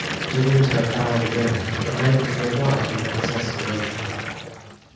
De Winter bowed again, unable to reply from excess of emotion.